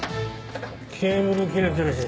ケーブル切れてるし。